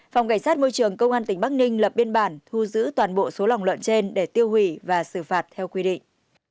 phòng cảnh sát môi trường công an tỉnh bắc ninh lập biên bản thu giữ toàn bộ số lòng lợn trên để tiêu hủy và xử phạt theo quy định